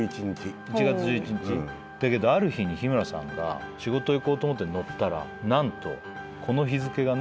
だけどある日に日村さんが仕事行こうと思って乗ったら何とこの日付がね。